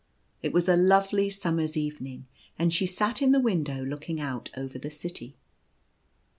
It was a lovely summer's evening, and she sat in the window looking out over the city.